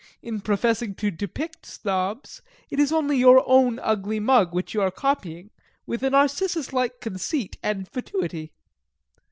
In professing to depict Snobs, it is only your own ugly mug which you are copying with a Narcissus like conceit and fatuity.'